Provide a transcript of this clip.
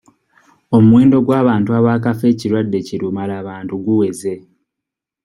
Omuwendo gw'abantu abaakafa ekirwadde kirumalabantu guweze.